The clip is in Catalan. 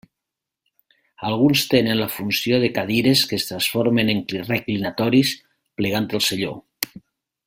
Alguns tenen la funció de cadires que es transformen en reclinatoris plegant el selló.